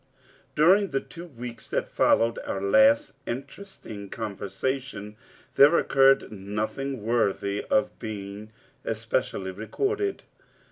During the two weeks that followed our last interesting conversation, there occurred nothing worthy of being especially recorded.